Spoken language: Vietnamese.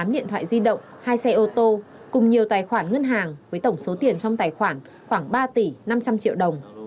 tám điện thoại di động hai xe ô tô cùng nhiều tài khoản ngân hàng với tổng số tiền trong tài khoản khoảng ba tỷ năm trăm linh triệu đồng